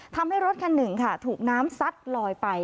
ทำให้รถคัน๑ถูกน้ำซัดลอยไป